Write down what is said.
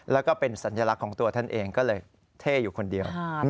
แล้วก็เป็นสัญลักษณ์ของตัวท่านเองก็เลยเท่อยู่คนเดียว